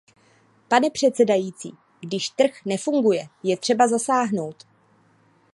Pane předsedající, když trh nefunguje, je třeba zasáhnout.